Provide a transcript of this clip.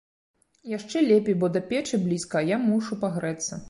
Яшчэ лепей, бо да печы блізка, а я мушу пагрэцца.